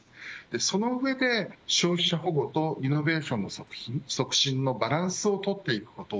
その上で消費者保護とイノベーションの促進のバランスをとっていくこと。